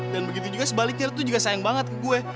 dan begitu juga sebaliknya lu juga sayang banget ke gue